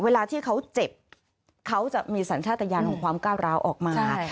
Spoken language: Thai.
เวลาที่เขาเจ็บเขาจะมีสัญชาติยานของความก้าวร้าวออกมา